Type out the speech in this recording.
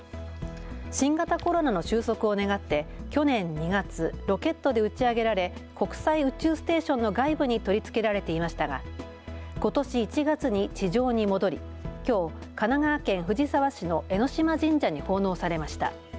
新型コロナの終息を願って去年２月、ロケットで打ち上げられ国際宇宙ステーションの外部に取り付けられていましたがことし１月に地上に戻りきょう神奈川県藤沢市の江島神社に奉納されました。